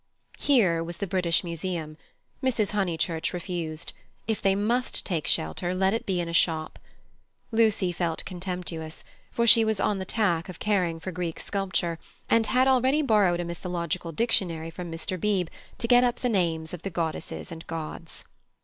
"Here" was the British Museum. Mrs. Honeychurch refused. If they must take shelter, let it be in a shop. Lucy felt contemptuous, for she was on the tack of caring for Greek sculpture, and had already borrowed a mythical dictionary from Mr. Beebe to get up the names of the goddesses and gods.